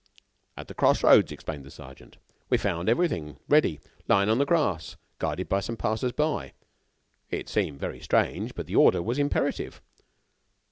"At the crossroads," explained the sergeant, "we found everything ready, lying on the grass, guarded by some passers by. It seemed very strange, but the order was imperative."